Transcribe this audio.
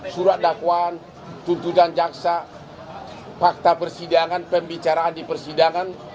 surat dakwaan tuntutan jaksa fakta persidangan pembicaraan di persidangan